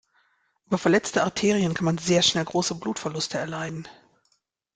Über verletzte Arterien kann man sehr schnell große Blutverluste erleiden.